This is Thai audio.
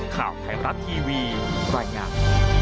ข่าวไทยมรัฐทีวีรายงาน